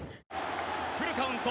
フルカウント。